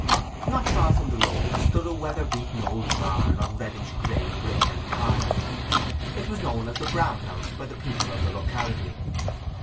Not far from the road stood a weather beaten old barn of reddish grey brick and tile. It was known as the Brown House by the people of the locality.